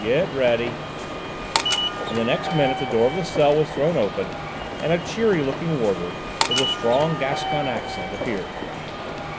Get ready," and the next minute the door of the cell was thrown open, and a cheery looking warder, with a strong Gascon accent, appeared.